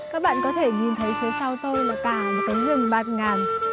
các bạn có thể nhìn thấy phía sau tôi là cả một cái rừng lạc ngàn